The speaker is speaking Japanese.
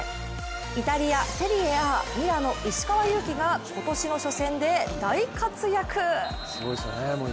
イタリア・セリエＡミラノ・石川祐希が、今年の初戦で大活躍！